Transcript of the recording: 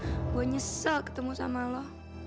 saya menyesal bertemu kamu